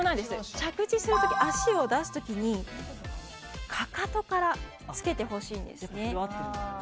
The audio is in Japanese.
着地する時、脚を出す時にかかとからつけてほしいんですね。